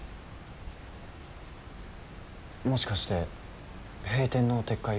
もしかして閉店の撤回を？